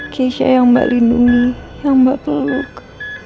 keisha yang mbak lindungi yang mbak peluk